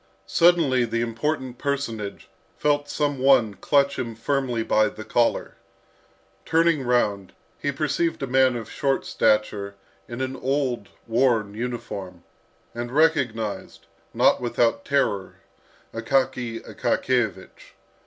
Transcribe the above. Suddenly the important personage felt some one clutch him firmly by the collar. Turning round, he perceived a man of short stature, in an old, worn uniform, and recognised, not without terror, Akaky Akakiyevich.